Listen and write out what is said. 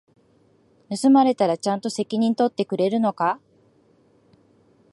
盗まれたらちゃんと責任取ってくれるのか？